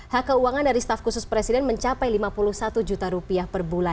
hak keuangan dari staff khusus presiden mencapai lima puluh satu juta rupiah